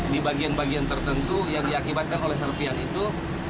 di bagian bagian tertentu yang diakibatkan oleh serpian itu